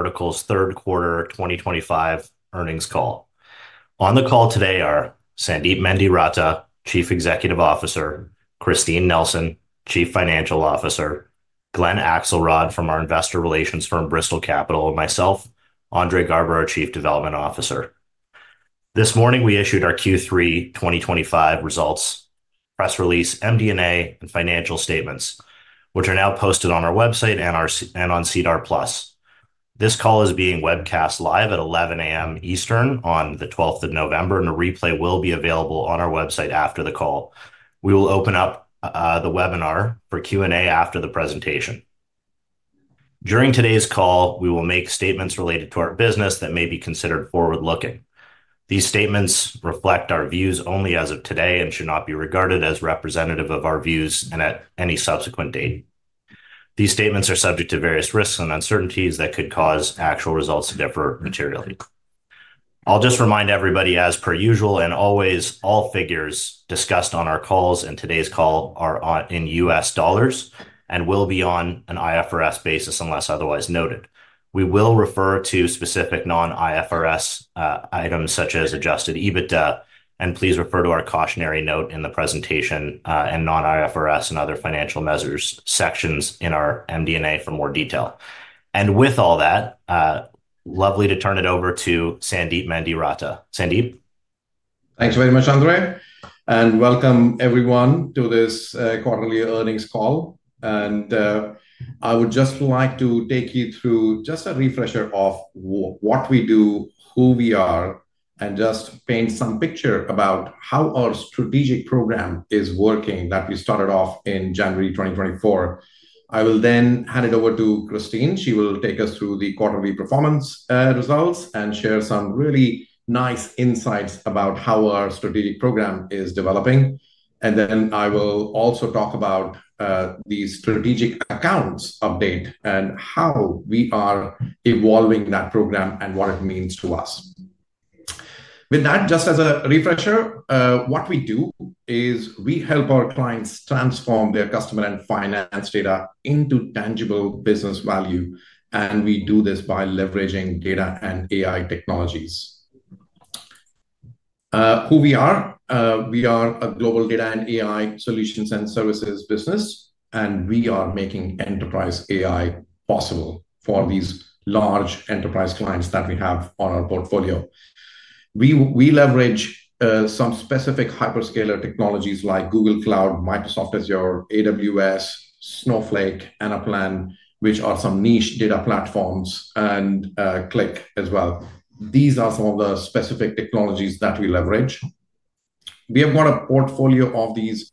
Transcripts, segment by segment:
Vertical's third quarter 2025 earnings call. On the call today are Sandeep Mendiratta, Chief Executive Officer; Christine Nelson, Chief Financial Officer; Glen Akselrod from our investor relations firm Bristol Capital; and myself, Andre Garber, our Chief Development Officer. This morning, we issued our Q3 2025 results, press release, MD&A, and financial statements, which are now posted on our website and on SEDAR+. This call is being webcast live at 11:00 A.M. Eastern on the 12th of November, and a replay will be available on our website after the call. We will open up the webinar for Q&A after the presentation. During today's call, we will make statements related to our business that may be considered forward-looking. These statements reflect our views only as of today and should not be regarded as representative of our views at any subsequent date. These statements are subject to various risks and uncertainties that could cause actual results to differ materially. I'll just remind everybody, as per usual and always, all figures discussed on our calls and today's call are in U.S. dollars and will be on an IFRS basis unless otherwise noted. We will refer to specific non-IFRS items such as adjusted EBITDA, and please refer to our cautionary note in the presentation and non-IFRS and other financial measures sections in our MD&A for more detail. With all that, lovely to turn it over to Sandeep Mendiratta. Sandeep. Thanks very much, Andre, and welcome everyone to this quarterly earnings call. I would just like to take you through just a refresher of what we do, who we are, and just paint some picture about how our strategic program is working that we started off in January 2024. I will then hand it over to Christine. She will take us through the quarterly performance results and share some really nice insights about how our strategic program is developing. I will also talk about the strategic accounts update and how we are evolving that program and what it means to us. With that, just as a refresher, what we do is we help our clients transform their customer and finance data into tangible business value, and we do this by leveraging data and AI technologies. Who we are? We are a global data and AI solutions and services business, and we are making enterprise AI possible for these large enterprise clients that we have on our portfolio. We leverage some specific hyperscaler technologies like Google Cloud, Microsoft Azure, AWS, Snowflake, Anaplan, which are some niche data platforms, and Qlik as well. These are some of the specific technologies that we leverage. We have got a portfolio of these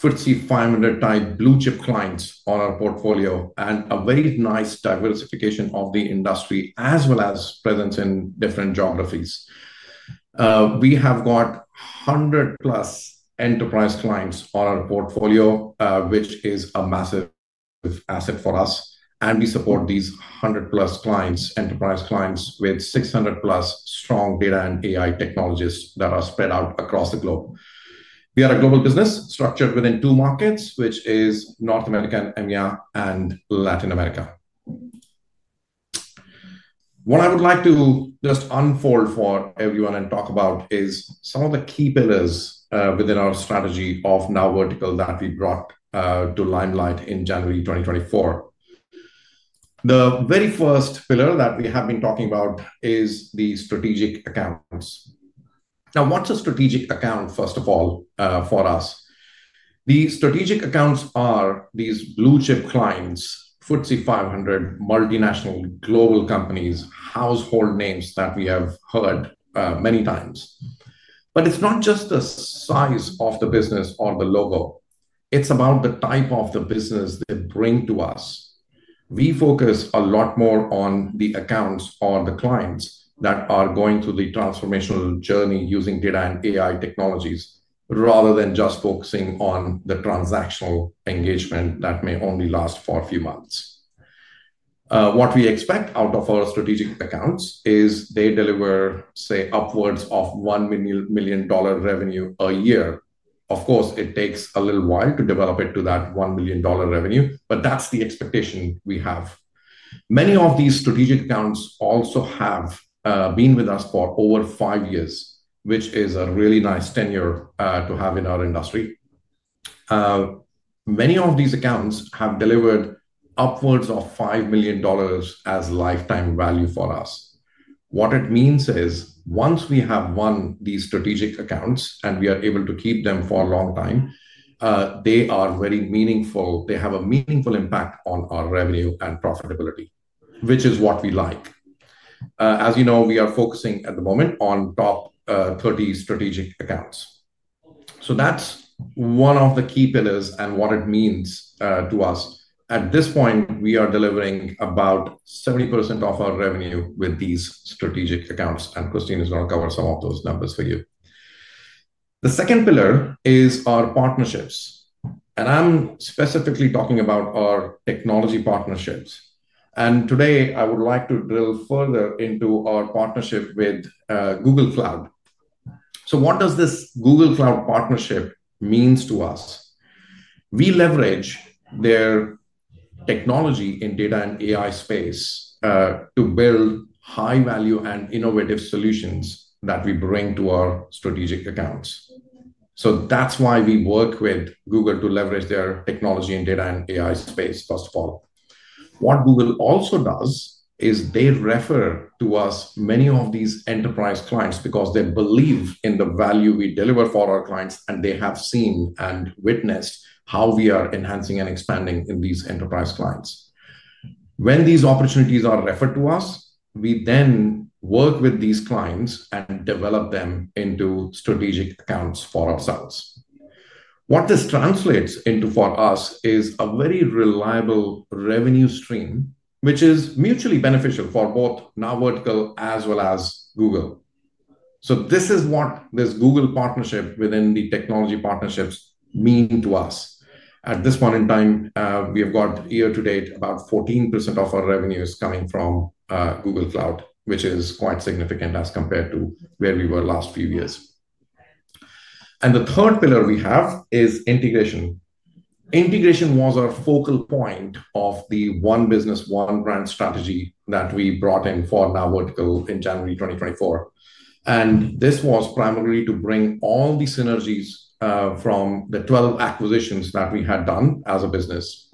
FTSE 500 type blue chip clients on our portfolio and a very nice diversification of the industry as well as presence in different geographies. We have got 100 plus enterprise clients on our portfolio, which is a massive asset for us, and we support these 100 plus clients, enterprise clients, with 600 plus strong data and AI technologies that are spread out across the globe. We are a global business structured within two markets, which are North America, EMEA, and Latin America. What I would like to just unfold for everyone and talk about is some of the key pillars within our strategy of NowVertical that we brought to limelight in January 2024. The very first pillar that we have been talking about is the strategic accounts. Now, what's a strategic account, first of all, for us? The strategic accounts are these blue chip clients, FTSE 500, multinational, global companies, household names that we have heard many times. It is not just the size of the business or the logo. It is about the type of the business they bring to us. We focus a lot more on the accounts or the clients that are going through the transformational journey using data and AI technologies rather than just focusing on the transactional engagement that may only last for a few months. What we expect out of our strategic accounts is they deliver, say, upwards of $1 million revenue a year. Of course, it takes a little while to develop it to that $1 million revenue, but that's the expectation we have. Many of these strategic accounts also have been with us for over five years, which is a really nice tenure to have in our industry. Many of these accounts have delivered upwards of $5 million as lifetime value for us. What it means is once we have won these strategic accounts and we are able to keep them for a long time, they are very meaningful. They have a meaningful impact on our revenue and profitability, which is what we like. As you know, we are focusing at the moment on top 30 strategic accounts. That is one of the key pillars and what it means to us. At this point, we are delivering about 70% of our revenue with these strategic accounts, and Christine is going to cover some of those numbers for you. The second pillar is our partnerships, and I am specifically talking about our technology partnerships. Today, I would like to drill further into our partnership with Google Cloud. What does this Google Cloud partnership mean to us? We leverage their technology in data and AI space to build high-value and innovative solutions that we bring to our strategic accounts. That is why we work with Google to leverage their technology in data and AI space, first of all. What Google also does is they refer to us many of these enterprise clients because they believe in the value we deliver for our clients, and they have seen and witnessed how we are enhancing and expanding in these enterprise clients. When these opportunities are referred to us, we then work with these clients and develop them into strategic accounts for ourselves. What this translates into for us is a very reliable revenue stream, which is mutually beneficial for both NowVertical as well as Google. This is what this Google partnership within the technology partnerships means to us. At this point in time, we have got year-to-date about 14% of our revenues coming from Google Cloud, which is quite significant as compared to where we were last few years. The third pillar we have is integration. Integration was our focal point of the One Business, One Brand strategy that we brought in for NowVertical in January 2024. This was primarily to bring all the synergies from the 12 acquisitions that we had done as a business.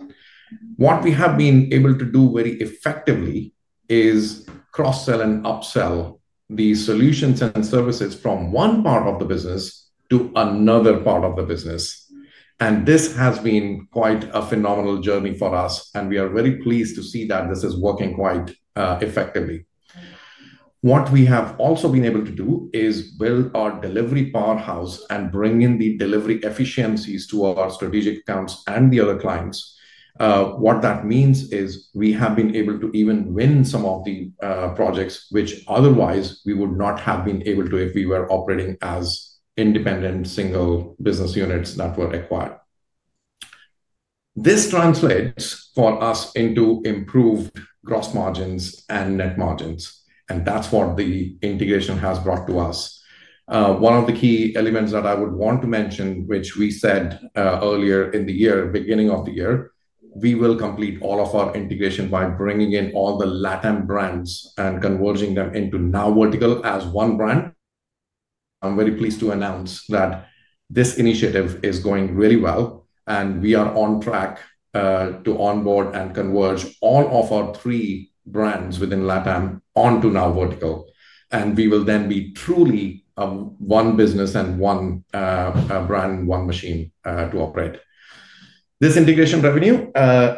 What we have been able to do very effectively is cross-sell and upsell the solutions and services from one part of the business to another part of the business. This has been quite a phenomenal journey for us, and we are very pleased to see that this is working quite effectively. What we have also been able to do is build our delivery powerhouse and bring in the delivery efficiencies to our strategic accounts and the other clients. What that means is we have been able to even win some of the projects, which otherwise we would not have been able to if we were operating as independent single business units that were acquired. This translates for us into improved gross margins and net margins, and that's what the integration has brought to us. One of the key elements that I would want to mention, which we said earlier in the year, beginning of the year, we will complete all of our integration by bringing in all the LATAM brands and converging them into NowVertical as one brand. I'm very pleased to announce that this initiative is going really well, and we are on track to onboard and converge all of our three brands within LATAM onto NowVertical, and we will then be truly one business and one brand, one machine to operate. This integration revenue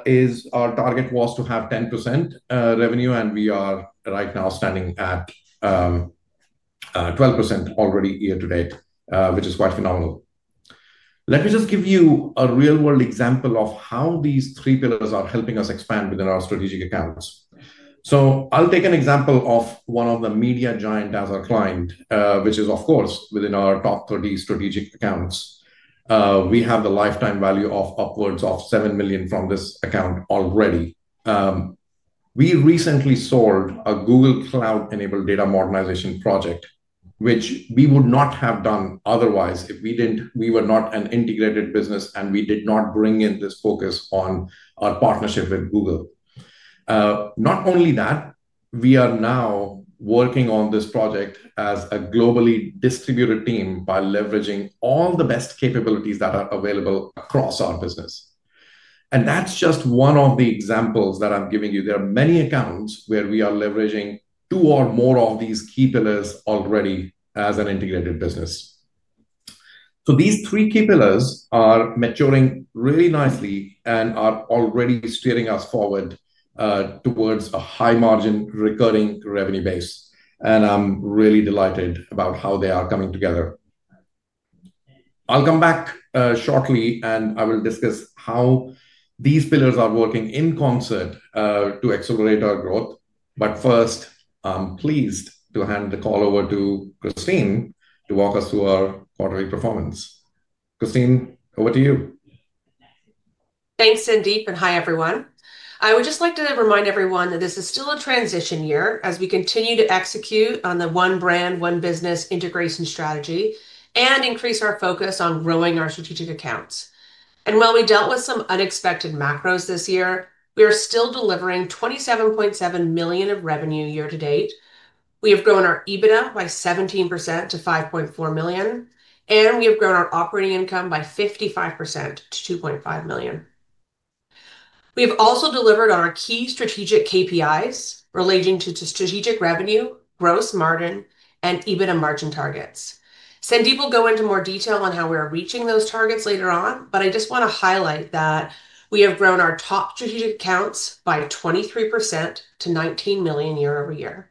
is our target was to have 10% revenue, and we are right now standing at 12% already year-to-date, which is quite phenomenal. Let me just give you a real-world example of how these three pillars are helping us expand within our strategic accounts. I will take an example of one of the media giant as our client, which is, of course, within our top 30 strategic accounts. We have the lifetime value of upwards of $7 million from this account already. We recently sold a Google Cloud-enabled data modernization project, which we would not have done otherwise if we were not an integrated business and we did not bring in this focus on our partnership with Google. Not only that, we are now working on this project as a globally distributed team by leveraging all the best capabilities that are available across our business. That is just one of the examples that I am giving you. There are many accounts where we are leveraging two or more of these key pillars already as an integrated business. These three key pillars are maturing really nicely and are already steering us forward towards a high-margin recurring revenue base, and I am really delighted about how they are coming together. I will come back shortly, and I will discuss how these pillars are working in concert to accelerate our growth. First, I am pleased to hand the call over to Christine to walk us through our quarterly performance. Christine, over to you. Thanks, Sandeep, and hi, everyone. I would just like to remind everyone that this is still a transition year as we continue to execute on the One Brand, One Business integration strategy and increase our focus on growing our strategic accounts. While we dealt with some unexpected macros this year, we are still delivering $27.7 million of revenue year-to-date. We have grown our EBITDA by 17% to $5.4 million, and we have grown our operating income by 55% to $2.5 million. We have also delivered on our key strategic KPIs relating to strategic revenue, gross margin, and EBITDA margin targets. Sandeep will go into more detail on how we are reaching those targets later on, but I just want to highlight that we have grown our top strategic accounts by 23% to $19 million year-over-year.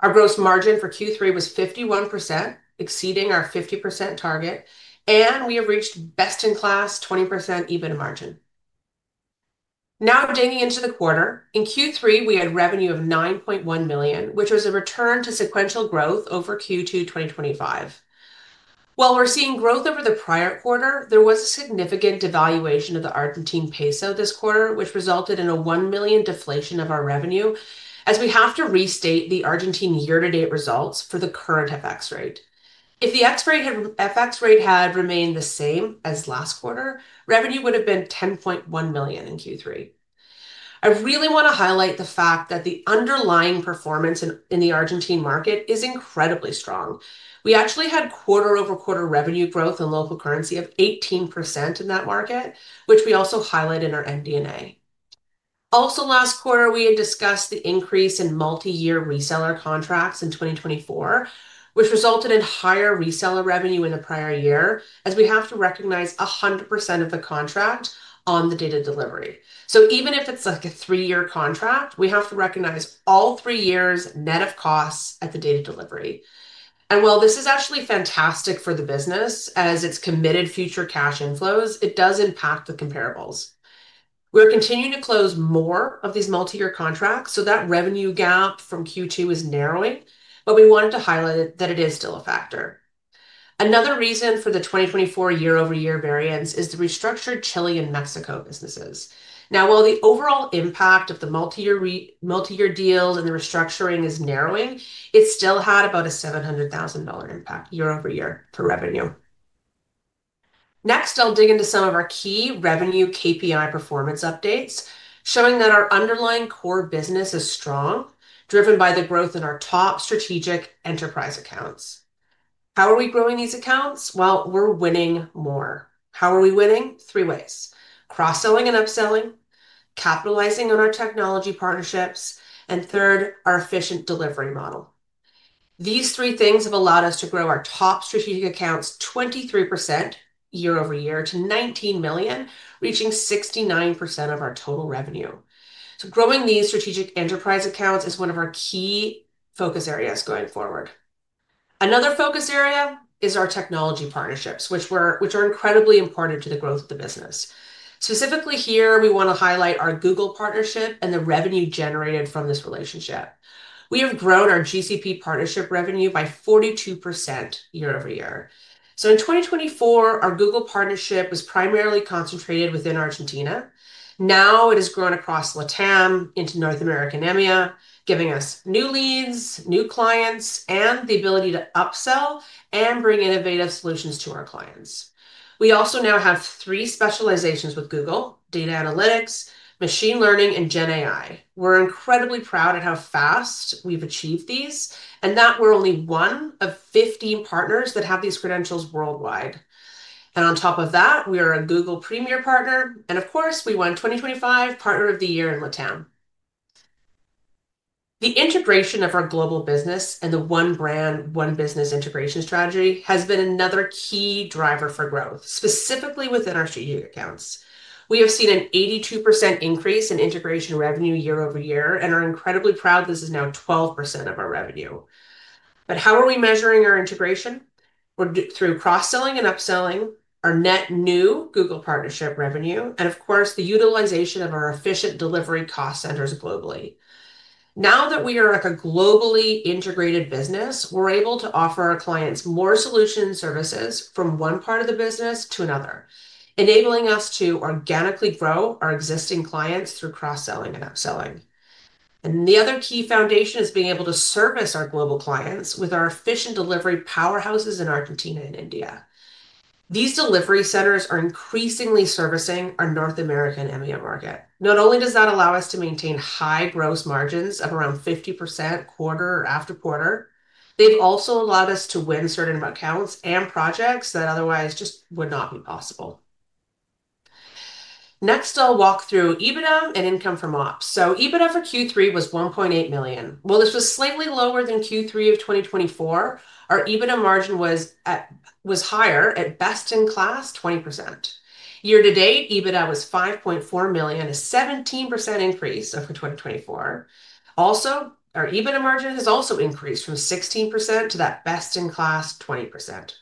Our gross margin for Q3 was 51%, exceeding our 50% target, and we have reached best-in-class 20% EBITDA margin. Now, digging into the quarter, in Q3, we had revenue of $9.1 million, which was a return to sequential growth over Q2 2025. While we're seeing growth over the prior quarter, there was a significant devaluation of the Argentine peso this quarter, which resulted in a $1 million deflation of our revenue as we have to restate the Argentine year-to-date results for the current FX rate. If the FX rate had remained the same as last quarter, revenue would have been $10.1 million in Q3. I really want to highlight the fact that the underlying performance in the Argentine market is incredibly strong. We actually had quarter-over-quarter revenue growth in local currency of 18% in that market, which we also highlight in our MD&A. Also, last quarter, we had discussed the increase in multi-year reseller contracts in 2024, which resulted in higher reseller revenue in the prior year as we have to recognize 100% of the contract on the data delivery. Even if it is like a three-year contract, we have to recognize all three years' net of costs at the data delivery. While this is actually fantastic for the business as it is committed future cash inflows, it does impact the comparables. We are continuing to close more of these multi-year contracts so that revenue gap from Q2 is narrowing, but we wanted to highlight that it is still a factor. Another reason for the 2024 year-over-year variance is the restructured Chile and Mexico businesses. While the overall impact of the multi-year deal and the restructuring is narrowing, it still had about a $700,000 impact year-over-year per revenue. Next, I'll dig into some of our key revenue KPI performance updates, showing that our underlying core business is strong, driven by the growth in our top strategic enterprise accounts. How are we growing these accounts? We're winning more. How are we winning? Three ways: cross-selling and upselling, capitalizing on our technology partnerships, and third, our efficient delivery model. These three things have allowed us to grow our top strategic accounts 23% year-over-year to $19 million, reaching 69% of our total revenue. Growing these strategic enterprise accounts is one of our key focus areas going forward. Another focus area is our technology partnerships, which are incredibly important to the growth of the business. Specifically here, we want to highlight our Google partnership and the revenue generated from this relationship. We have grown our GCP partnership revenue by 42% year-over-year. In 2024, our Google partnership was primarily concentrated within Argentina. Now it has grown across LATAM into North America and EMEA, giving us new leads, new clients, and the ability to upsell and bring innovative solutions to our clients. We also now have three specializations with Google: data analytics, machine learning, and GenAI. We're incredibly proud at how fast we've achieved these and that we're only one of 15 partners that have these credentials worldwide. On top of that, we are a Google Premier partner, and of course, we won 2025 Partner of the Year in LATAM. The integration of our global business and the One Brand, One Business integration strategy has been another key driver for growth, specifically within our strategic accounts. We have seen an 82% increase in integration revenue year-over-year, and we're incredibly proud this is now 12% of our revenue. How are we measuring our integration? We are through cross-selling and upselling, our net new Google partnership revenue, and of course, the utilization of our efficient delivery cost centers globally. Now that we are a globally integrated business, we are able to offer our clients more solution services from one part of the business to another, enabling us to organically grow our existing clients through cross-selling and upselling. The other key foundation is being able to service our global clients with our efficient delivery powerhouses in Argentina and India. These delivery centers are increasingly servicing our North American and EMEA market. Not only does that allow us to maintain high gross margins of around 50% quarter after quarter, they have also allowed us to win certain accounts and projects that otherwise just would not be possible. Next, I will walk through EBITDA and income from ops. EBITDA for Q3 was $1.8 million. While this was slightly lower than Q3 of 2024, our EBITDA margin was higher at best-in-class 20%. Year-to-date, EBITDA was $5.4 million, a 17% increase over 2024. Also, our EBITDA margin has also increased from 16% to that best-in-class 20%.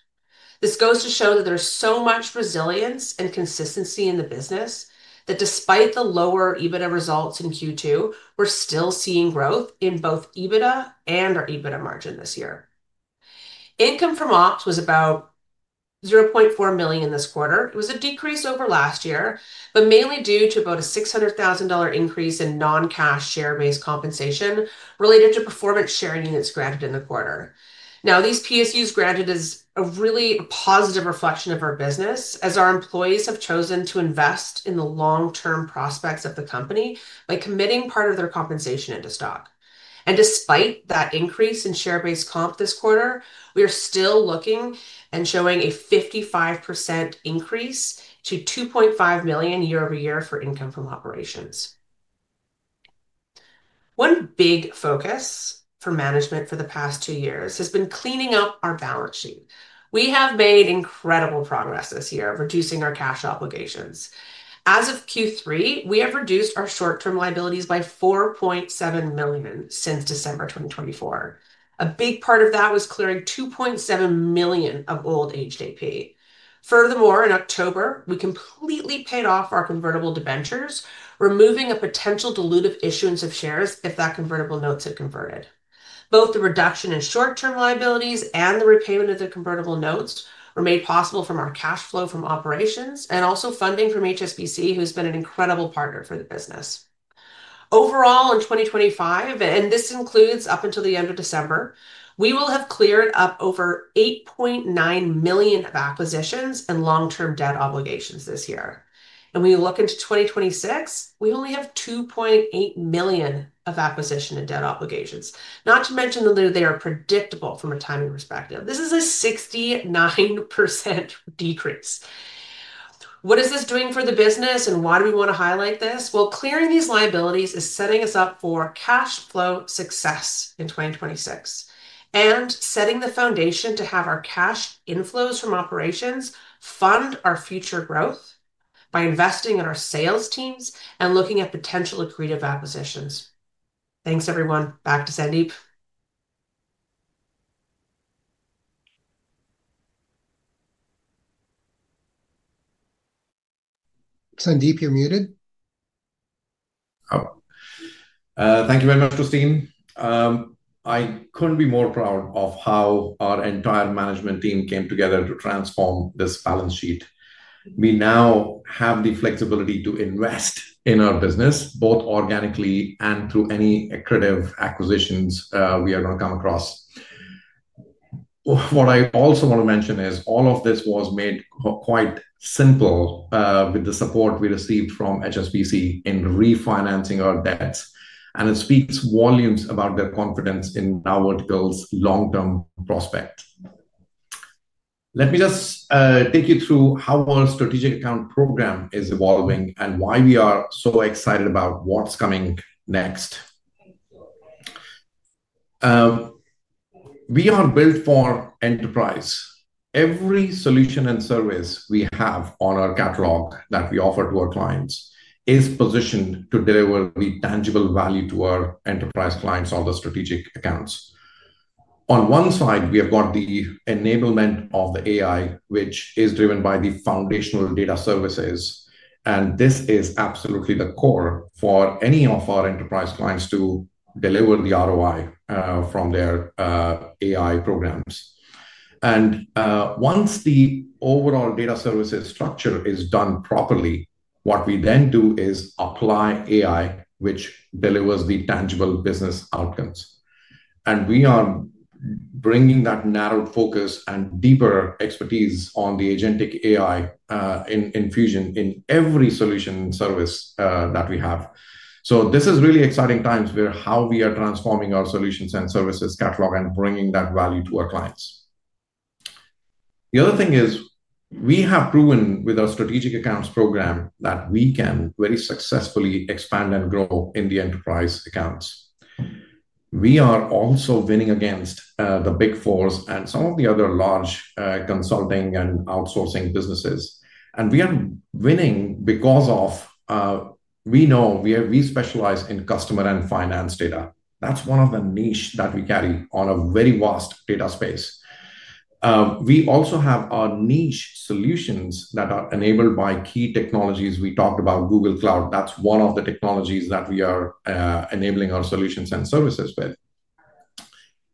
This goes to show that there's so much resilience and consistency in the business that despite the lower EBITDA results in Q2, we're still seeing growth in both EBITDA and our EBITDA margin this year. Income from ops was about $0.4 million this quarter. It was a decrease over last year, but mainly due to about a $600,000 increase in non-cash share-based compensation related to performance sharing units granted in the quarter. Now, these PSUs granted is a really positive reflection of our business as our employees have chosen to invest in the long-term prospects of the company by committing part of their compensation into stock. Despite that increase in share-based comp this quarter, we are still looking and showing a 55% increase to $2.5 million year-over-year for income from operations. One big focus for management for the past two years has been cleaning up our balance sheet. We have made incredible progress this year of reducing our cash obligations. As of Q3, we have reduced our short-term liabilities by $4.7 million since December 2024. A big part of that was clearing $2.7 million of old HDP. Furthermore, in October, we completely paid off our convertible debentures, removing a potential dilutive issuance of shares if that convertible note had converted. Both the reduction in short-term liabilities and the repayment of the convertible notes were made possible from our cash flow from operations and also funding from HSBC, who has been an incredible partner for the business. Overall, in 2025, and this includes up until the end of December, we will have cleared up over $8.9 million of acquisitions and long-term debt obligations this year. When you look into 2026, we only have $2.8 million of acquisition and debt obligations, not to mention that they are predictable from a timing perspective. This is a 69% decrease. What is this doing for the business, and why do we want to highlight this? Clearing these liabilities is setting us up for cash flow success in 2026 and setting the foundation to have our cash inflows from operations fund our future growth by investing in our sales teams and looking at potential accretive acquisitions. Thanks, everyone. Back to Sandeep. Sandeep, you're muted. Thank you very much, Christine. I couldn't be more proud of how our entire management team came together to transform this balance sheet. We now have the flexibility to invest in our business, both organically and through any accretive acquisitions we are going to come across. What I also want to mention is all of this was made quite simple with the support we received from HSBC in refinancing our debts, and it speaks volumes about their confidence in NowVertical's long-term prospect. Let me just take you through how our strategic account program is evolving and why we are so excited about what's coming next. We are built for enterprise. Every solution and service we have on our catalog that we offer to our clients is positioned to deliver the tangible value to our enterprise clients on the strategic accounts. On one side, we have got the enablement of the AI, which is driven by the foundational data services, and this is absolutely the core for any of our enterprise clients to deliver the ROI from their AI programs. Once the overall data services structure is done properly, what we then do is apply AI, which delivers the tangible business outcomes. We are bringing that narrow focus and deeper expertise on the agentic AI infusion in every solution and service that we have. This is really exciting times where how we are transforming our solutions and services catalog and bringing that value to our clients. The other thing is we have proven with our strategic accounts program that we can very successfully expand and grow in the enterprise accounts. We are also winning against the Big Four and some of the other large consulting and outsourcing businesses. We are winning because we know we specialize in customer and finance data. That is one of the niches that we carry on a very vast data space. We also have our niche solutions that are enabled by key technologies. We talked about Google Cloud. That is one of the technologies that we are enabling our solutions and services with.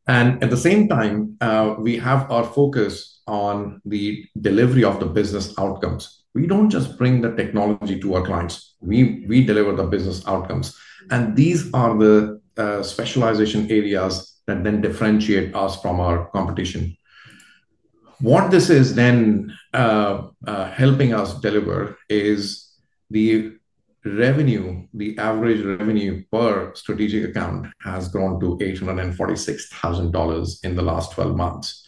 At the same time, we have our focus on the delivery of the business outcomes. We do not just bring the technology to our clients. We deliver the business outcomes. These are the specialization areas that then differentiate us from our competition. What this is then helping us deliver is the revenue. The average revenue per strategic account has grown to $846,000 in the last 12 months.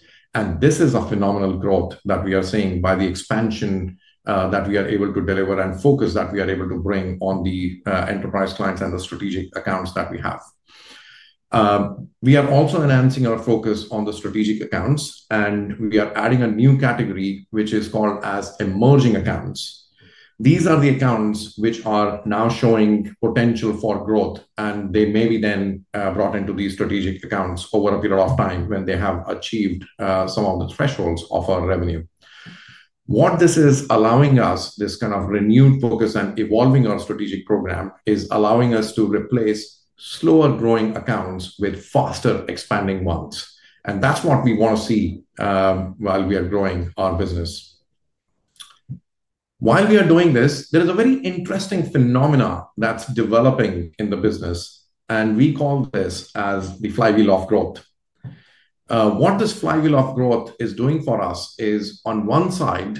This is a phenomenal growth that we are seeing by the expansion that we are able to deliver and focus that we are able to bring on the enterprise clients and the strategic accounts that we have. We are also enhancing our focus on the strategic accounts, and we are adding a new category, which is called emerging accounts. These are the accounts which are now showing potential for growth, and they may be then brought into these strategic accounts over a period of time when they have achieved some of the thresholds of our revenue. What this is allowing us, this kind of renewed focus and evolving our strategic program, is allowing us to replace slower-growing accounts with faster-expanding ones. That is what we want to see while we are growing our business. While we are doing this, there is a very interesting phenomena that's developing in the business, and we call this as the flywheel of growth. What this flywheel of growth is doing for us is, on one side,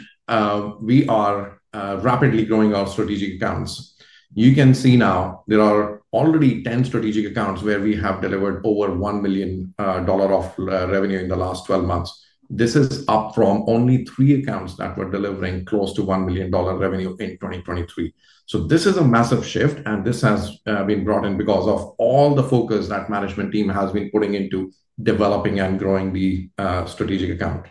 we are rapidly growing our strategic accounts. You can see now there are already 10 strategic accounts where we have delivered over $1 million of revenue in the last 12 months. This is up from only three accounts that were delivering close to $1 million revenue in 2023. This is a massive shift, and this has been brought in because of all the focus that the management team has been putting into developing and growing the strategic account.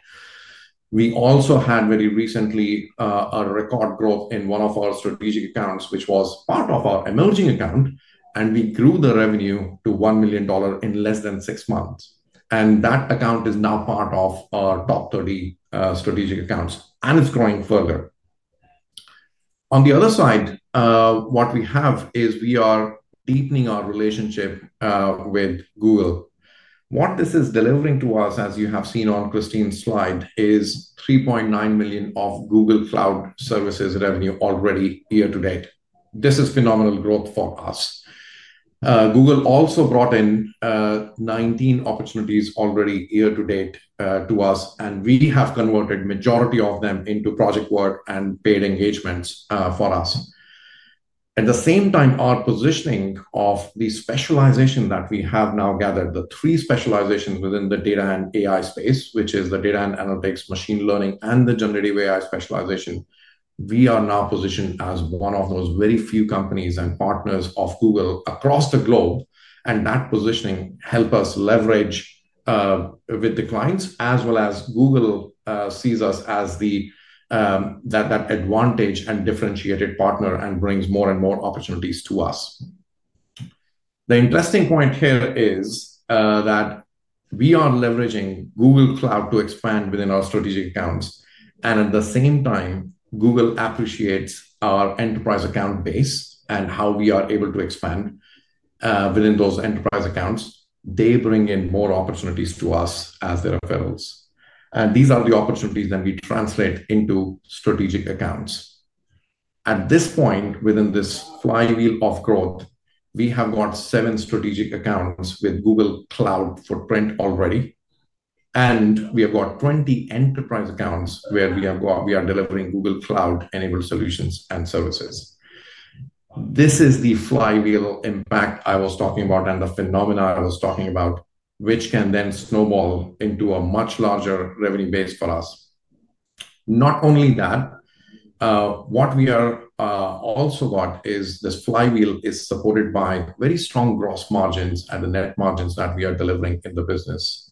We also had very recently a record growth in one of our strategic accounts, which was part of our emerging account, and we grew the revenue to $1 million in less than six months. That account is now part of our top 30 strategic accounts, and it is growing further. On the other side, what we have is we are deepening our relationship with Google. What this is delivering to us, as you have seen on Christine's slide, is $3.9 million of Google Cloud services revenue already year-to-date. This is phenomenal growth for us. Google also brought in 19 opportunities already year-to-date to us, and we have converted the majority of them into project work and paid engagements for us. At the same time, our positioning of the specialization that we have now gathered, the three specializations within the data and AI space, which is the data and analytics, machine learning, and the generative AI specialization, we are now positioned as one of those very few companies and partners of Google across the globe. That positioning helps us leverage with the clients, as well as Google sees us as that advantage and differentiated partner and brings more and more opportunities to us. The interesting point here is that we are leveraging Google Cloud to expand within our strategic accounts. At the same time, Google appreciates our enterprise account base and how we are able to expand within those enterprise accounts. They bring in more opportunities to us as their referrals. These are the opportunities that we translate into strategic accounts. At this point, within this flywheel of growth, we have got seven strategic accounts with Google Cloud footprint already. We have got 20 enterprise accounts where we are delivering Google Cloud-enabled solutions and services. This is the flywheel impact I was talking about and the phenomena I was talking about, which can then snowball into a much larger revenue base for us. Not only that, what we have also got is this flywheel is supported by very strong gross margins and the net margins that we are delivering in the business.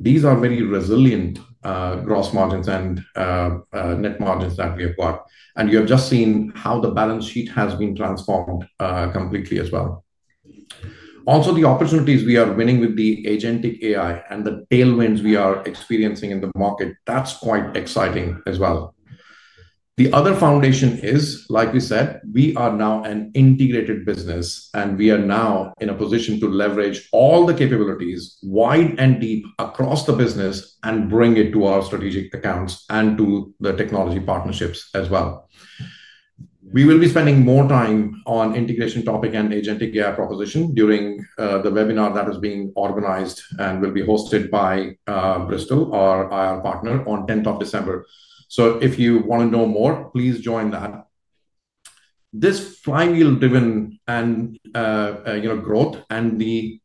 These are very resilient gross margins and net margins that we have got. You have just seen how the balance sheet has been transformed completely as well. Also, the opportunities we are winning with the agentic AI and the tailwinds we are experiencing in the market, that's quite exciting as well. The other foundation is, like we said, we are now an integrated business, and we are now in a position to leverage all the capabilities wide and deep across the business and bring it to our strategic accounts and to the technology partnerships as well. We will be spending more time on integration topic and agentic AI proposition during the webinar that is being organized and will be hosted by Bristol, our partner, on the 10th of December. If you want to know more, please join that. This flywheel-driven growth and the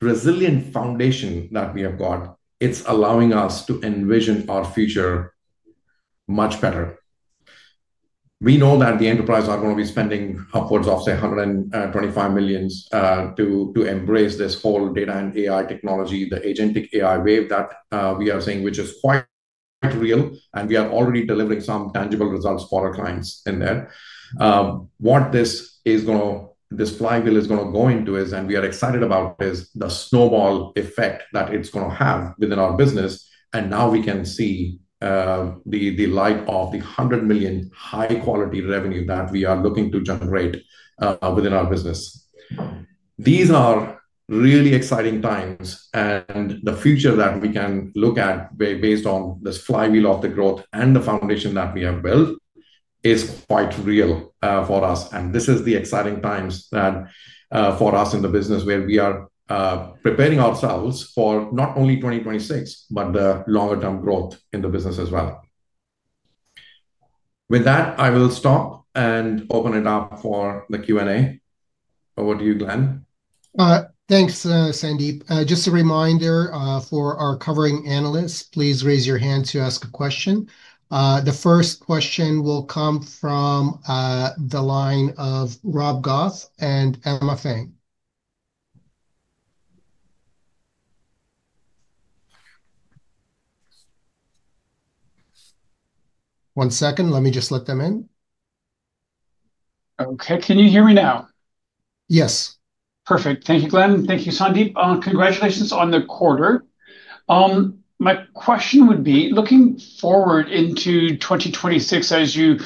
resilient foundation that we have got, it's allowing us to envision our future much better. We know that the enterprises are going to be spending upwards of, say, $125 million to embrace this whole data and AI technology, the agentic AI wave that we are seeing, which is quite real. We are already delivering some tangible results for our clients in there. What this is going to, this flywheel is going to go into is, we are excited about, is the snowball effect that it is going to have within our business. Now we can see the light of the $100 million high-quality revenue that we are looking to generate within our business. These are really exciting times, and the future that we can look at based on this flywheel of the growth and the foundation that we have built is quite real for us. This is the exciting times for us in the business where we are preparing ourselves for not only 2026, but the longer-term growth in the business as well. With that, I will stop and open it up for the Q&A. Over to you, Glen. Thanks, Sandeep. Just a reminder for our covering analysts, please raise your hand to ask a question. The first question will come from the line of Rob Goth and Emma Fang. One second. Let me just let them in. Okay. Can you hear me now? Yes. Perfect. Thank you, Glen. Thank you, Sandeep. Congratulations on the quarter. My question would be, looking forward into 2026, as you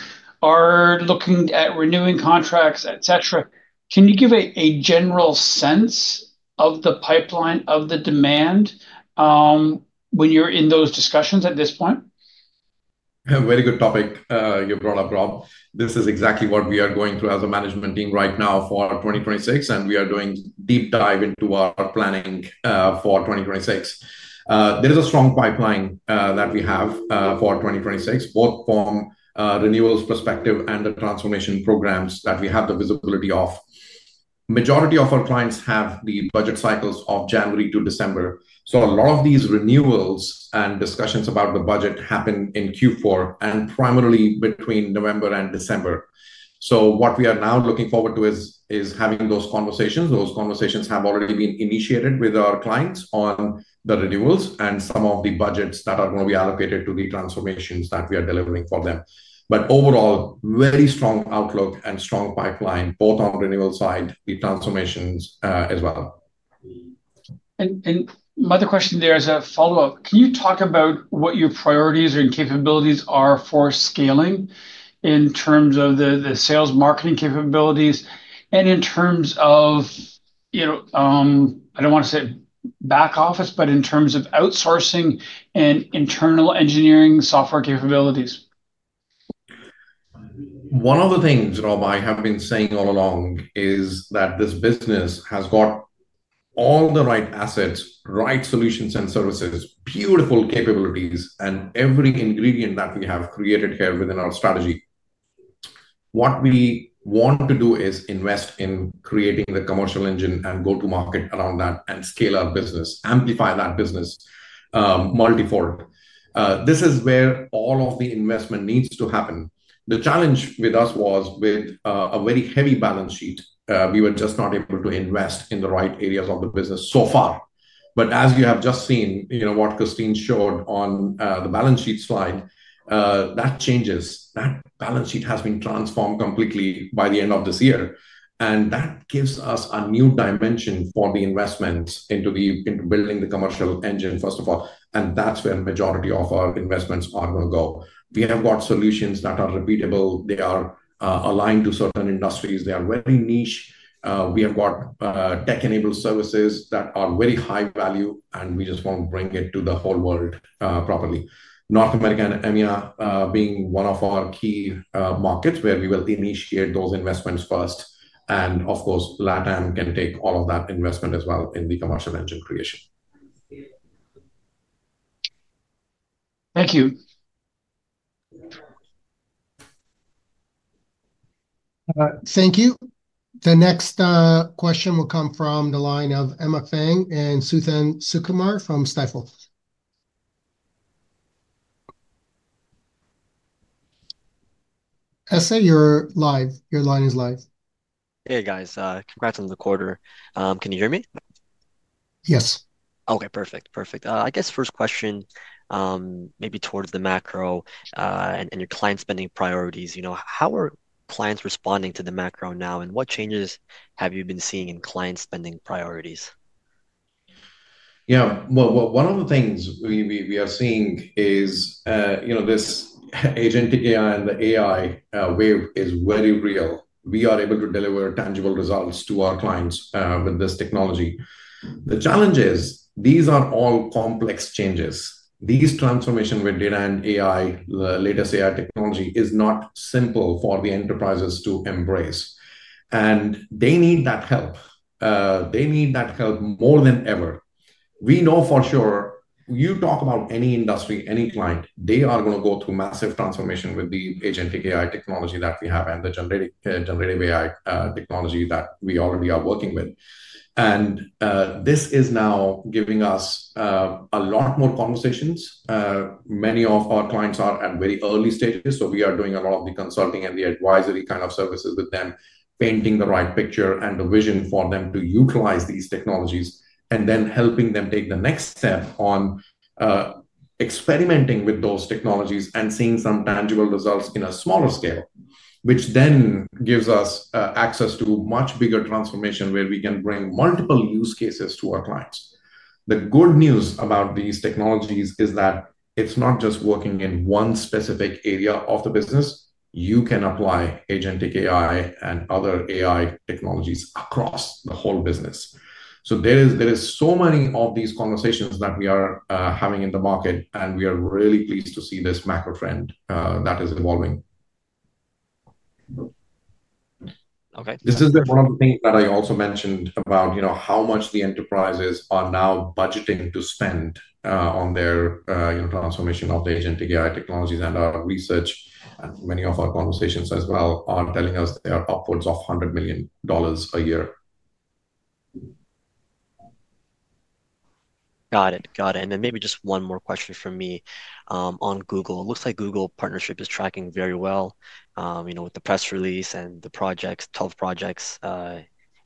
are looking at renewing contracts, etc., can you give a general sense of the pipeline of the demand when you're in those discussions at this point? Very good topic you brought up, Rob. This is exactly what we are going through as a management team right now for 2026, and we are doing a deep dive into our planning for 2026. There is a strong pipeline that we have for 2026, both from renewals perspective and the transformation programs that we have the visibility of. The majority of our clients have the budget cycles of January to December. A lot of these renewals and discussions about the budget happen in Q4 and primarily between November and December. What we are now looking forward to is having those conversations. Those conversations have already been initiated with our clients on the renewals and some of the budgets that are going to be allocated to the transformations that we are delivering for them. Overall, very strong outlook and strong pipeline, both on the renewal side, the transformations as well. My other question there as a follow-up, can you talk about what your priorities and capabilities are for scaling in terms of the sales marketing capabilities and in terms of, I do not want to say back office, but in terms of outsourcing and internal engineering software capabilities? One of the things Rob, I have been saying all along is that this business has got all the right assets, right solutions and services, beautiful capabilities, and every ingredient that we have created here within our strategy. What we want to do is invest in creating the commercial engine and go-to-market around that and scale our business, amplify that business multifold. This is where all of the investment needs to happen. The challenge with us was with a very heavy balance sheet. We were just not able to invest in the right areas of the business so far. As you have just seen what Christine showed on the balance sheet slide, that changes. That balance sheet has been transformed completely by the end of this year. That gives us a new dimension for the investments into building the commercial engine, first of all. That is where the majority of our investments are going to go. We have got solutions that are repeatable. They are aligned to certain industries. They are very niche. We have got tech-enabled services that are very high value, and we just want to bring it to the whole world properly. North America and EMEA are one of our key markets where we will initiate those investments first. Of course, LATAM can take all of that investment as well in the commercial engine creation. Thank you. Thank you. The next question will come from the line of Emma Fang and Suthan Sukumar from Stifel. Emma, you're live. Your line is live. Hey, guys. Congrats on the quarter. Can you hear me? Yes. Okay. Perfect. Perfect. I guess first question, maybe towards the macro and your client spending priorities. How are clients responding to the macro now, and what changes have you been seeing in client spending priorities? Yeah. One of the things we are seeing is this agentic AI and the AI wave is very real. We are able to deliver tangible results to our clients with this technology. The challenge is these are all complex changes. These transformations with data and AI, the latest AI technology, are not simple for the enterprises to embrace. They need that help. They need that help more than ever. We know for sure, you talk about any industry, any client, they are going to go through massive transformation with the agentic AI technology that we have and the generative AI technology that we already are working with. This is now giving us a lot more conversations. Many of our clients are at very early stages, so we are doing a lot of the consulting and the advisory kind of services with them, painting the right picture and the vision for them to utilize these technologies, and then helping them take the next step on experimenting with those technologies and seeing some tangible results in a smaller scale, which then gives us access to much bigger transformation where we can bring multiple use cases to our clients. The good news about these technologies is that it's not just working in one specific area of the business. You can apply agentic AI and other AI technologies across the whole business. There are so many of these conversations that we are having in the market, and we are really pleased to see this macro trend that is evolving. Okay. This is one of the things that I also mentioned about how much the enterprises are now budgeting to spend on their transformation of the agentic AI technologies and our research. Many of our conversations as well are telling us they are upwards of $100 million a year. Got it. Got it. Maybe just one more question from me on Google. It looks like Google Partnership is tracking very well with the press release and the projects, 12 projects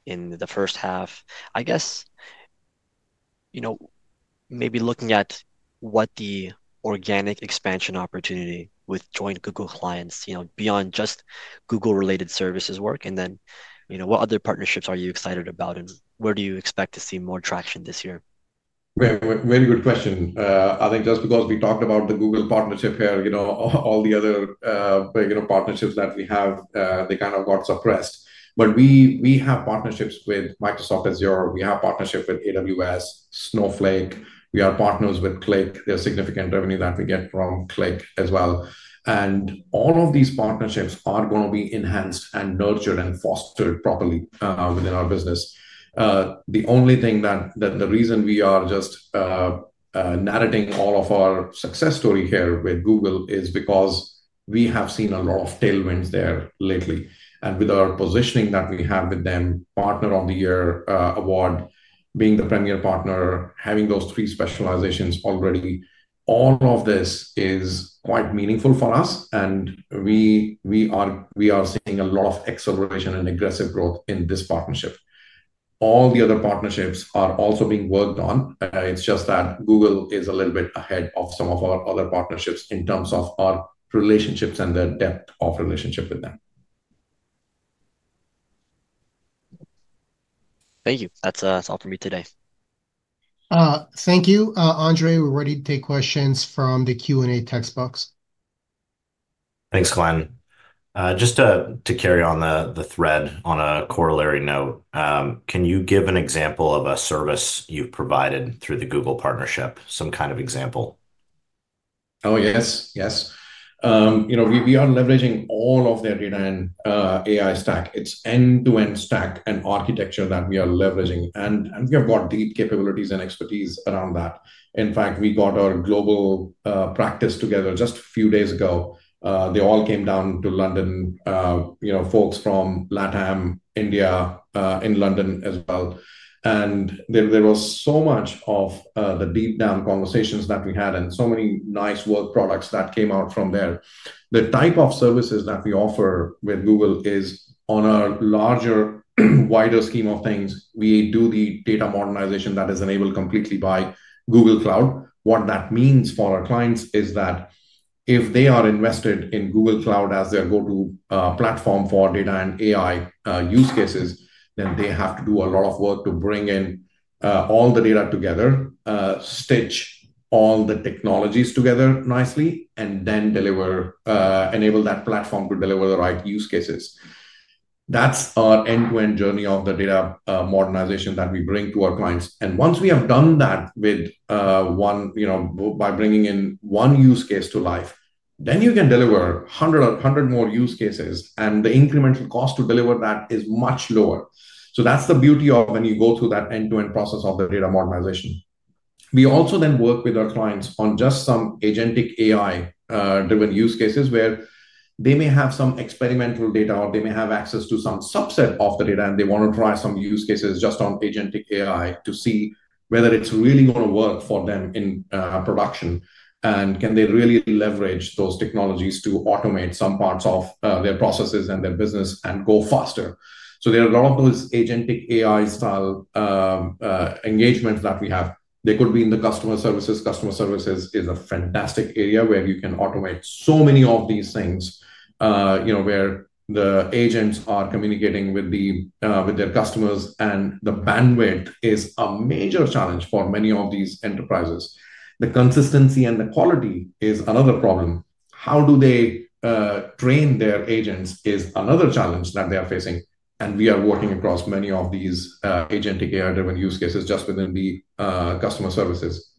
in the first half. I guess maybe looking at what the organic expansion opportunity with joint Google clients beyond just Google-related services work, and then what other partnerships are you excited about, and where do you expect to see more traction this year? Very good question. I think just because we talked about the Google Partnership here, all the other partnerships that we have, they kind of got suppressed. We have partnerships with Microsoft Azure. We have partnership with AWS, Snowflake. We are partners with Qlik. There is significant revenue that we get from Qlik as well. All of these partnerships are going to be enhanced and nurtured and fostered properly within our business. The only thing that the reason we are just narrating all of our success story here with Google is because we have seen a lot of tailwinds there lately. With our positioning that we have with them, Partner of the Year award, being the premier partner, having those three specializations already, all of this is quite meaningful for us. We are seeing a lot of acceleration and aggressive growth in this partnership. All the other partnerships are also being worked on. It's just that Google is a little bit ahead of some of our other partnerships in terms of our relationships and the depth of relationship with them. Thank you. That's all for me today. Thank you. Andre, we're ready to take questions from the Q&A text box. Thanks, Glen. Just to carry on the thread on a corollary note, can you give an example of a service you've provided through the Google Partnership, some kind of example? Oh, yes. Yes. We are leveraging all of their data and AI stack. It is end-to-end stack and architecture that we are leveraging. And we have got deep capabilities and expertise around that. In fact, we got our global practice together just a few days ago. They all came down to London, folks from LATAM, India, in London as well. There was so much of the deep-down conversations that we had and so many nice work products that came out from there. The type of services that we offer with Google is on a larger, wider scheme of things. We do the data modernization that is enabled completely by Google Cloud. What that means for our clients is that if they are invested in Google Cloud as their go-to platform for data and AI use cases, then they have to do a lot of work to bring in all the data together, stitch all the technologies together nicely, and then enable that platform to deliver the right use cases. That is our end-to-end journey of the data modernization that we bring to our clients. Once we have done that with one by bringing in one use case to life, you can deliver 100 more use cases. The incremental cost to deliver that is much lower. That is the beauty of when you go through that end-to-end process of the data modernization. We also then work with our clients on just some agentic AI-driven use cases where they may have some experimental data or they may have access to some subset of the data, and they want to try some use cases just on agentic AI to see whether it's really going to work for them in production. Can they really leverage those technologies to automate some parts of their processes and their business and go faster? There are a lot of those agentic AI-style engagements that we have. They could be in the customer services. Customer services is a fantastic area where you can automate so many of these things where the agents are communicating with their customers, and the bandwidth is a major challenge for many of these enterprises. The consistency and the quality is another problem. How do they train their agents is another challenge that they are facing. We are working across many of these agentic AI-driven use cases just within the customer services.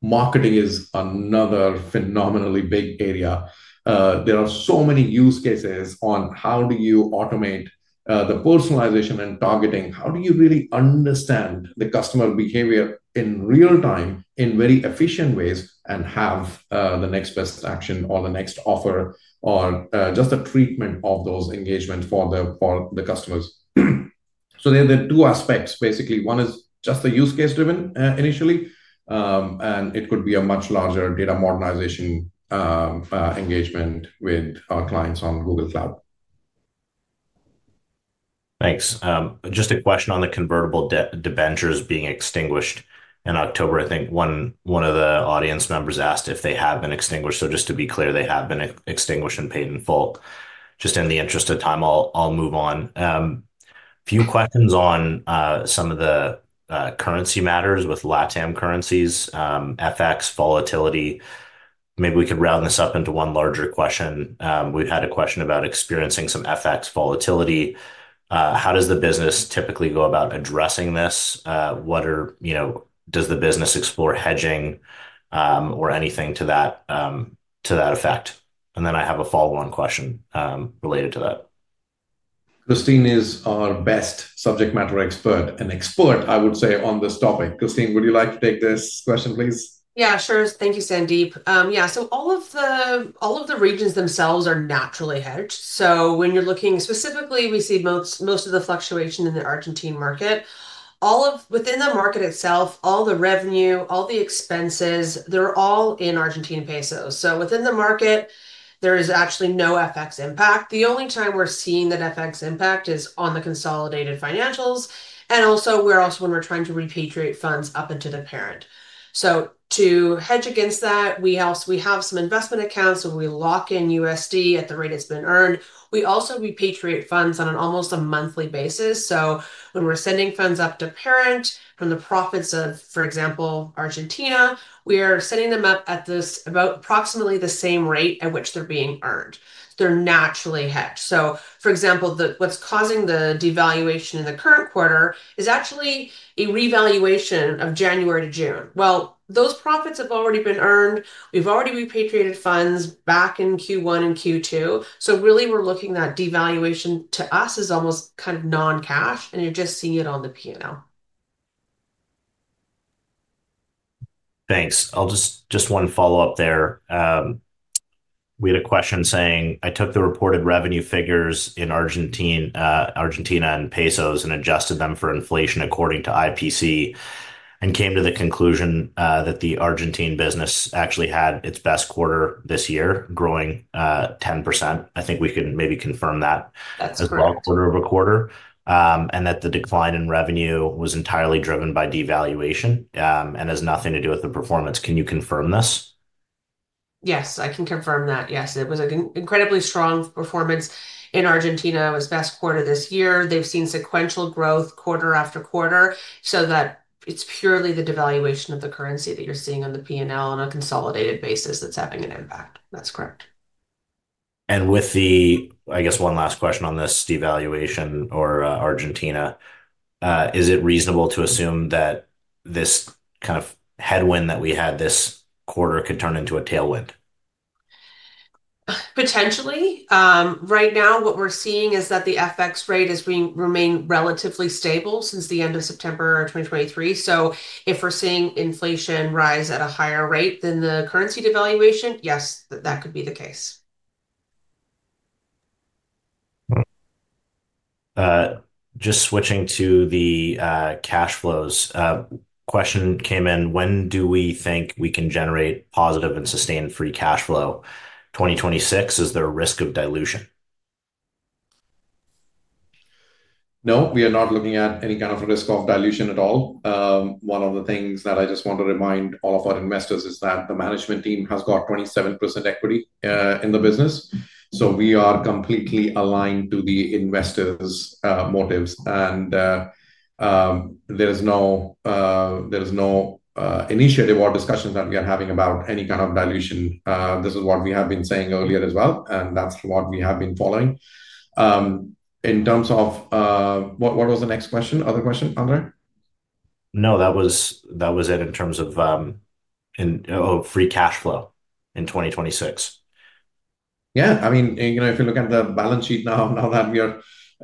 Marketing is another phenomenally big area. There are so many use cases on how do you automate the personalization and targeting. How do you really understand the customer behavior in real time in very efficient ways and have the next best action or the next offer or just a treatment of those engagements for the customers? There are two aspects, basically. One is just the use case driven initially, and it could be a much larger data modernization engagement with our clients on Google Cloud. Thanks. Just a question on the convertible debentures being extinguished in October. I think one of the audience members asked if they have been extinguished. Just to be clear, they have been extinguished and paid in full. Just in the interest of time, I'll move on. A few questions on some of the currency matters with LATAM currencies, FX volatility. Maybe we could round this up into one larger question. We've had a question about experiencing some FX volatility. How does the business typically go about addressing this? Does the business explore hedging or anything to that effect? I have a follow-on question related to that. Christine is our best subject matter expert and expert, I would say, on this topic. Christine, would you like to take this question, please? Yeah, sure. Thank you, Sandeep. Yeah. All of the regions themselves are naturally hedged. When you're looking specifically, we see most of the fluctuation in the Argentine market. Within the market itself, all the revenue, all the expenses, they're all in Argentine pesos. Within the market, there is actually no FX impact. The only time we're seeing that FX impact is on the consolidated financials. Also, when we're trying to repatriate funds up into the parent. To hedge against that, we have some investment accounts, so we lock in USD at the rate it's been earned. We also repatriate funds on almost a monthly basis. When we're sending funds up to parent from the profits of, for example, Argentina, we are sending them up at approximately the same rate at which they're being earned. They're naturally hedged. For example, what's causing the devaluation in the current quarter is actually a revaluation of January to June. Those profits have already been earned. We've already repatriated funds back in Q1 and Q2. Really, we're looking at devaluation to us as almost kind of non-cash, and you're just seeing it on the P&L. Thanks. I'll just want to follow up there. We had a question saying, "I took the reported revenue figures in Argentina and pesos and adjusted them for inflation according to IPC and came to the conclusion that the Argentine business actually had its best quarter this year, growing 10%." I think we can maybe confirm that. That's correct. A quarter of a quarter, and that the decline in revenue was entirely driven by devaluation and has nothing to do with the performance. Can you confirm this? Yes, I can confirm that. Yes, it was an incredibly strong performance in Argentina. It was best quarter this year. They've seen sequential growth quarter after quarter. It is purely the devaluation of the currency that you're seeing on the P&L on a consolidated basis that's having an impact. That's correct. With the, I guess, one last question on this devaluation or Argentina, is it reasonable to assume that this kind of headwind that we had this quarter could turn into a tailwind? Potentially. Right now, what we're seeing is that the FX rate has remained relatively stable since the end of September 2023. If we're seeing inflation rise at a higher rate than the currency devaluation, yes, that could be the case. Just switching to the cash flows, a question came in. When do we think we can generate positive and sustained free cash flow? 2026, is there a risk of dilution? No, we are not looking at any kind of risk of dilution at all. One of the things that I just want to remind all of our investors is that the management team has got 27% equity in the business. We are completely aligned to the investors' motives. There is no initiative or discussions that we are having about any kind of dilution. This is what we have been saying earlier as well, and that is what we have been following. In terms of what was the next question? Other question, Andre? No, that was it in terms of free cash flow in 2026. Yeah. I mean, if you look at the balance sheet now, now that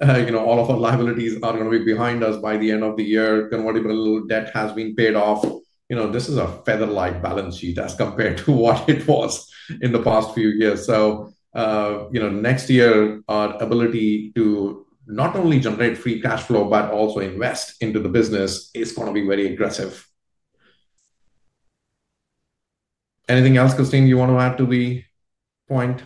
all of our liabilities are going to be behind us by the end of the year, convertible debt has been paid off. This is a feather-light balance sheet as compared to what it was in the past few years. Next year, our ability to not only generate free cash flow, but also invest into the business is going to be very aggressive. Anything else, Christine, you want to add to the point?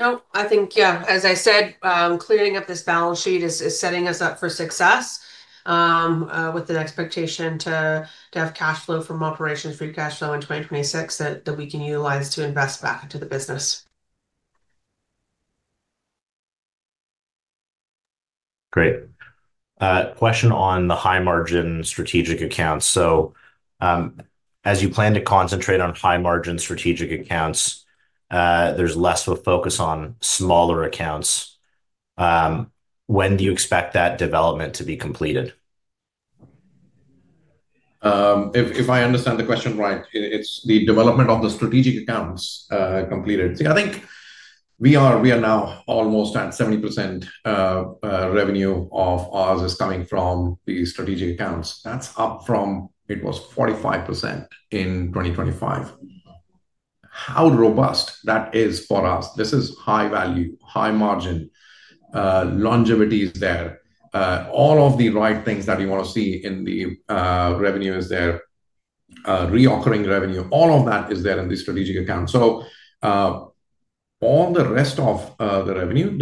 No, I think, yeah, as I said, clearing up this balance sheet is setting us up for success with the expectation to have cash flow from operations, free cash flow in 2026 that we can utilize to invest back into the business. Great. Question on the high-margin strategic accounts. As you plan to concentrate on high-margin strategic accounts, there's less of a focus on smaller accounts. When do you expect that development to be completed? If I understand the question right, it's the development of the strategic accounts completed. See, I think we are now almost at 70% revenue of ours is coming from the strategic accounts. That's up from it was 45% in 2025. How robust that is for us. This is high value, high margin, longevity is there. All of the right things that we want to see in the revenue is there, reoccurring revenue, all of that is there in the strategic accounts. So all the rest of the revenue,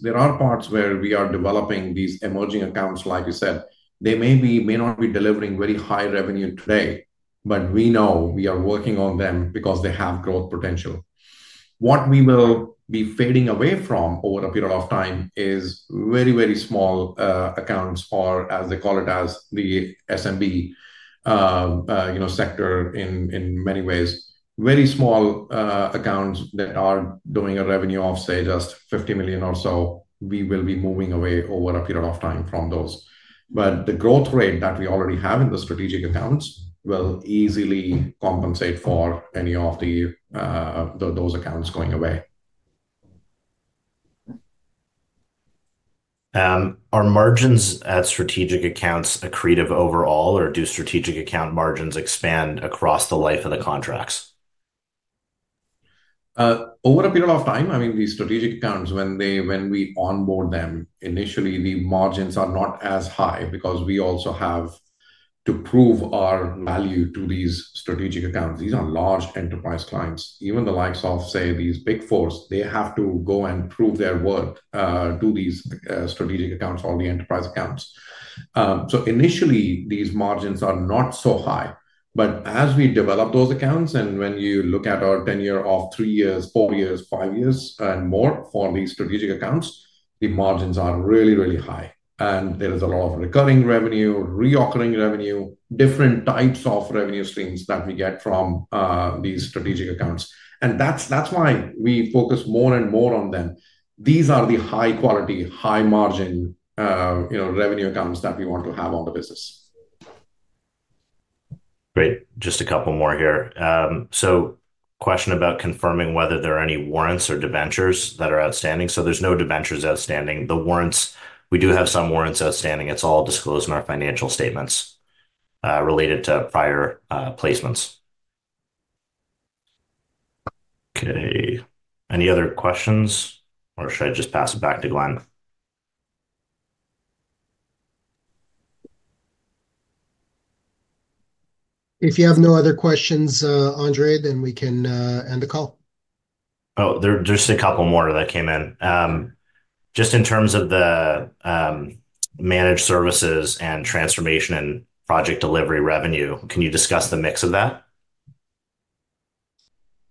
there are parts where we are developing these emerging accounts, like you said. They may not be delivering very high revenue today, but we know we are working on them because they have growth potential. What we will be fading away from over a period of time is very, very small accounts or, as they call it, as the SMB sector in many ways, very small accounts that are doing a revenue of, say, just $50 million or so. We will be moving away over a period of time from those. The growth rate that we already have in the strategic accounts will easily compensate for any of those accounts going away. Are margins at strategic accounts accretive overall, or do strategic account margins expand across the life of the contracts? Over a period of time, I mean, these strategic accounts, when we onboard them, initially, the margins are not as high because we also have to prove our value to these strategic accounts. These are large enterprise clients. Even the likes of, say, these Big Four, they have to go and prove their worth to these strategic accounts or the enterprise accounts. Initially, these margins are not so high. As we develop those accounts, and when you look at our tenure of three years, four years, five years, and more for these strategic accounts, the margins are really, really high. There is a lot of recurring revenue, reoccurring revenue, different types of revenue streams that we get from these strategic accounts. That is why we focus more and more on them. These are the high-quality, high-margin revenue accounts that we want to have on the business. Great. Just a couple more here. Question about confirming whether there are any warrants or debentures that are outstanding. There are no debentures outstanding. We do have some warrants outstanding. It is all disclosed in our financial statements related to prior placements. Okay. Any other questions, or should I just pass it back to Glen? If you have no other questions, Andre, then we can end the call. Oh, there's just a couple more that came in. Just in terms of the managed services and transformation and project delivery revenue, can you discuss the mix of that?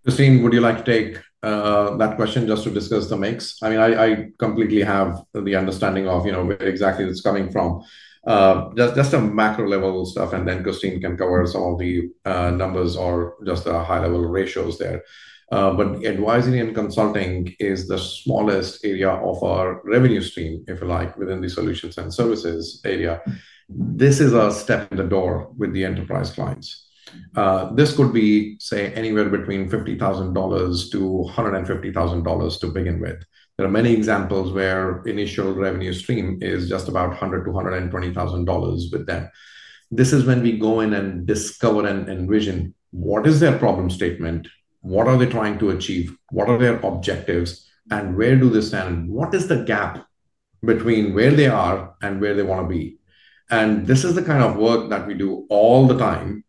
Christine, would you like to take that question just to discuss the mix? I mean, I completely have the understanding of where exactly it's coming from. Just a macro level stuff, and then Christine can cover some of the numbers or just the high-level ratios there. But advisory and consulting is the smallest area of our revenue stream, if you like, within the solutions and services area. This is a step in the door with the enterprise clients. This could be, say, anywhere between $50,000-$150,000 to begin with. There are many examples where initial revenue stream is just about $100,000-$120,000 with them. This is when we go in and discover and envision what is their problem statement, what are they trying to achieve, what are their objectives, where do they stand, and what is the gap between where they are and where they want to be. This is the kind of work that we do all the time.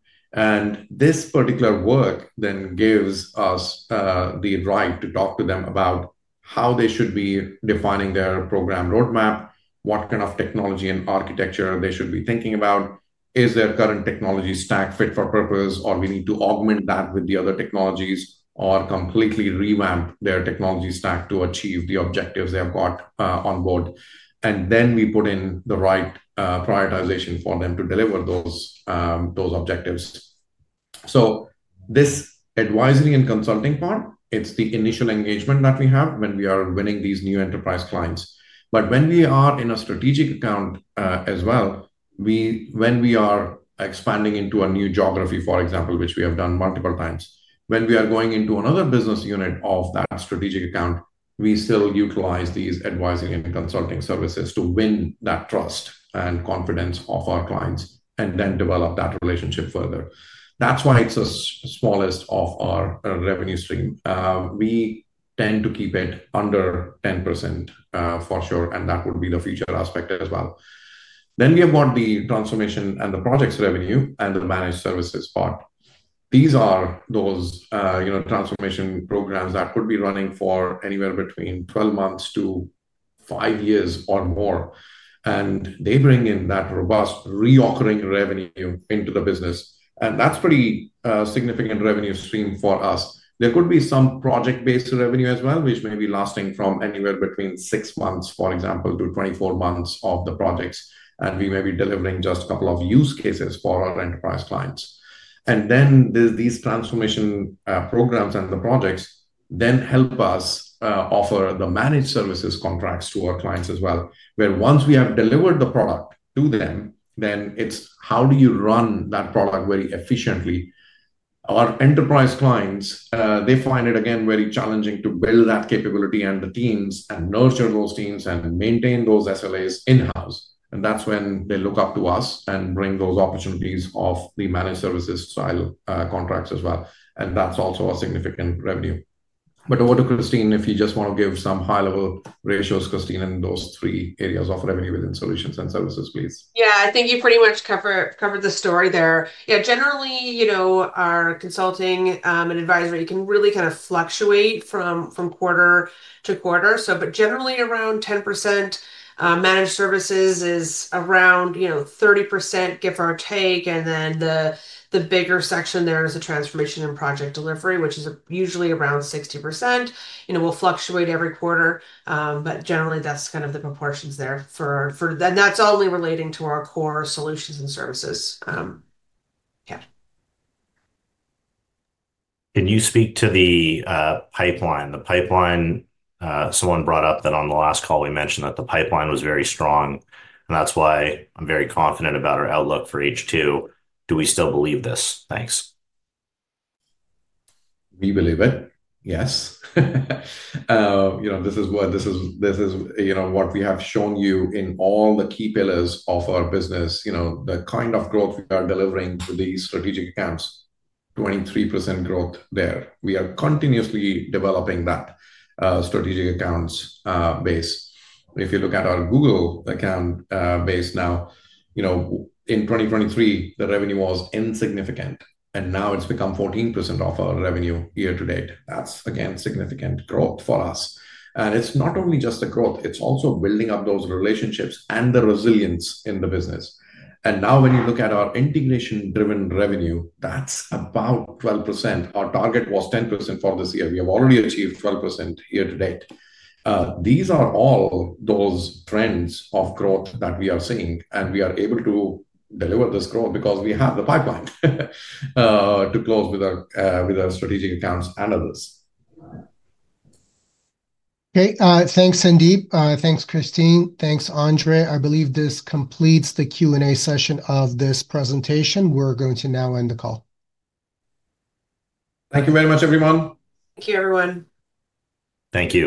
This particular work then gives us the right to talk to them about how they should be defining their program roadmap, what kind of technology and architecture they should be thinking about, is their current technology stack fit for purpose, or we need to augment that with the other technologies or completely revamp their technology stack to achieve the objectives they have got on board. We put in the right prioritization for them to deliver those objectives. This advisory and consulting part, it's the initial engagement that we have when we are winning these new enterprise clients. When we are in a strategic account as well, when we are expanding into a new geography, for example, which we have done multiple times, when we are going into another business unit of that strategic account, we still utilize these advisory and consulting services to win that trust and confidence of our clients and then develop that relationship further. That's why it's the smallest of our revenue stream. We tend to keep it under 10% for sure, and that would be the future aspect as well. We have got the transformation and the projects revenue and the managed services part. These are those transformation programs that could be running for anywhere between 12 months to 5 years or more. They bring in that robust recurring revenue into the business. That is a pretty significant revenue stream for us. There could be some project-based revenue as well, which may be lasting from anywhere between six months, for example, to 24 months of the projects. We may be delivering just a couple of use cases for our enterprise clients. These transformation programs and the projects then help us offer the managed services contracts to our clients as well, where once we have delivered the product to them, it is how do you run that product very efficiently. Our enterprise clients, they find it again very challenging to build that capability and the teams and nurture those teams and maintain those SLAs in-house. That is when they look up to us and bring those opportunities of the managed services style contracts as well. That is also a significant revenue. Over to Christine, if you just want to give some high-level ratios, Christine, and those three areas of revenue within solutions and services, please. Yeah, I think you pretty much covered the story there. Yeah, generally, our consulting and advisory can really kind of fluctuate from quarter to quarter. Generally, around 10% managed services is around 30%, give or take. The bigger section there is the transformation and project delivery, which is usually around 60%. It will fluctuate every quarter. Generally, that is kind of the proportions there for that. That is only relating to our core solutions and services. Yeah. Can you speak to the pipeline? The pipeline, someone brought up that on the last call, we mentioned that the pipeline was very strong. That is why I'm very confident about our outlook for H2. Do we still believe this? Thanks. We believe it. Yes. This is what we have shown you in all the key pillars of our business, the kind of growth we are delivering to these strategic accounts, 23% growth there. We are continuously developing that strategic accounts base. If you look at our Google account base now, in 2023, the revenue was insignificant. Now it has become 14% of our revenue year to date. That is, again, significant growth for us. It is not only just the growth, it is also building up those relationships and the resilience in the business. Now when you look at our integration-driven revenue, that is about 12%. Our target was 10% for this year. We have already achieved 12% year to date. These are all those trends of growth that we are seeing. We are able to deliver this growth because we have the pipeline to close with our strategic accounts and others. Okay. Thanks, Sandeep. Thanks, Christine. Thanks, Andre. I believe this completes the Q&A session of this presentation. We're going to now end the call. Thank you very much, everyone. Thank you, everyone. Thank you.